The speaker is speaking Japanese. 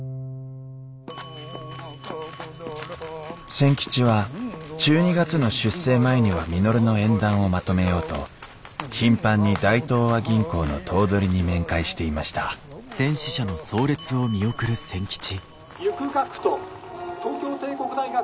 千吉は１２月の出征前には稔の縁談をまとめようと頻繁に大東亜銀行の頭取に面会していました「行く学徒東京帝国大学